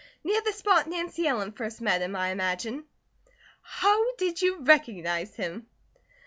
Near the spot Nancy Ellen first met him I imagine." "How did you recognize him?"